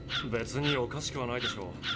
別におかしくはないでしょう。